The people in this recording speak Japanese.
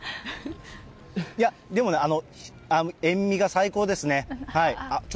いや、でもね、塩味が最高ですね。